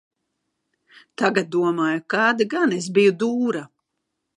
"Tagad domāju, kāda gan es biju "dūra"."